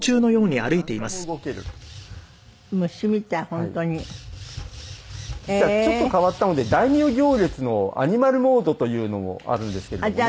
そしたらちょっと変わったので大名行列のアニマルモードというのもあるんですけどもね。